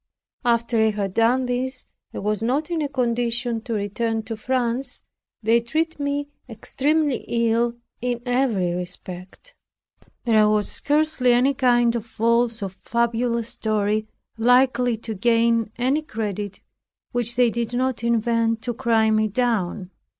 After I had done this, and was not in a condition to return to France, they treated me extremely ill in every respect. There was scarcely any kind of false or fabulous story, likely to gain any credit, which they did not invent to cry me down.